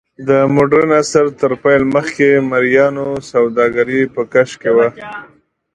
د موډرن عصر تر پیل مخکې مریانو سوداګري په کش کې وه.